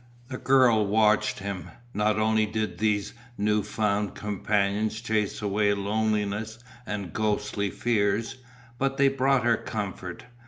The girl watched him. Not only did these new found companions chase away loneliness and ghostly fears, but they brought her comfort.